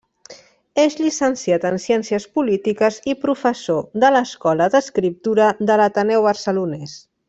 És llicenciat en ciències polítiques i professor de l'Escola d'Escriptura de l'Ateneu Barcelonès.